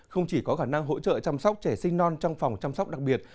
không chỉ có khả năng hỗ trợ chăm sóc trẻ sinh non trong phòng chăm sóc đặc biệt